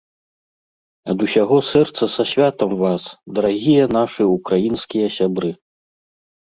Ад усяго сэрца са святам вас, дарагія нашы ўкраінскія сябры!